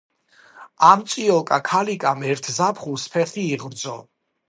ამ წიოკა ქალიკამ ერთ ზაფხულს ფეხი იღრძო.